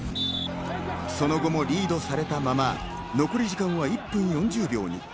その後もリードされたまま残り時間は１分４０秒に。